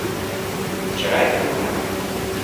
Вчера это был Ирак.